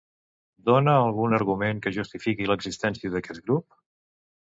Dona algun argument que justifiqui l'existència d'aquest grup?